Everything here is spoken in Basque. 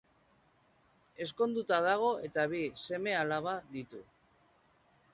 Ezkonduta dago eta bi seme-alaba ditu.